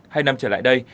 hai năm trở lại đây